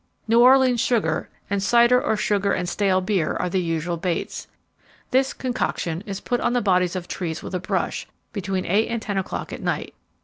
"New Orleans sugar and cider or sugar and stale beer are the usual baits. This 'concoction'is put on the bodies of trees with a brush, between eight and ten o'clock at night.